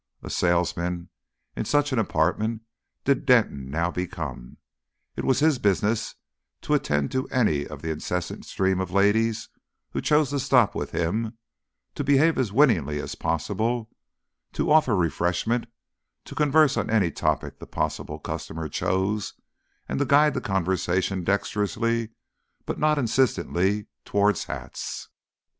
A salesman in such an apartment did Denton now become. It was his business to attend to any of the incessant stream of ladies who chose to stop with him, to behave as winningly as possible, to offer refreshment, to converse on any topic the possible customer chose, and to guide the conversation dexterously but not insistently towards hats.